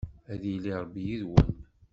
Ad yili Ṛebbi yid-wen.